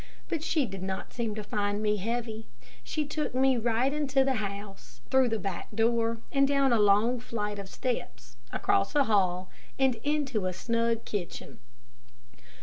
But she did not seem to find me heavy. She took me right into the house, through the back door, and down a long flight of steps, across a hall, and into a snug kitchen.